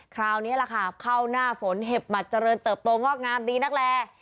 คราวนี้แหละค่ะเข้าหน้าฝนเห็บหมัดเจริญเติบโตงอกงามดีนักแล